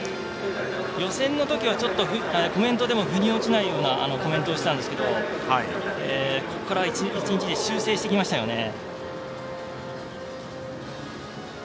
予選のときはコメントでもふに落ちないようなコメントをしたんですけどここから１日で修正してきましたよね。